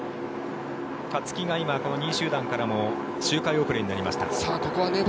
勝木が今、２位集団からも周回遅れになりました。